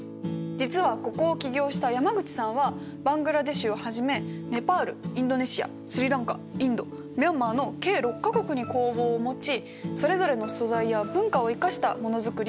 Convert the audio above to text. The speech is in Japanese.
実はここを起業した山口さんはバングラデシュをはじめネパールインドネシアスリランカインドミャンマーの計６か国に工房を持ちそれぞれの素材や文化を生かしたものづくりを行っています。